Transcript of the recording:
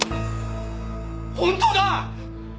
本当だ！